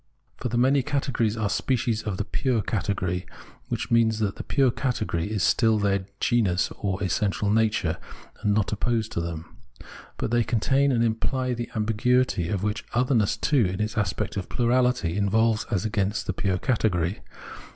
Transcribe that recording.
For the many categories are species of the pure cate gory, which means that the pure category is still their genus or essential nature, and not opposed to them. But they contain and imply the ambiguity which other ness too, in its aspect of plurality, involves as against the pure category.